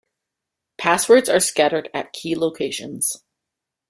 Passwords are scattered at key locations.